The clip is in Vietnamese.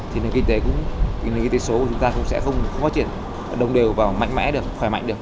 thì nền kinh tế số của chúng ta cũng sẽ không phát triển đồng đều và mạnh mẽ được khỏe mạnh được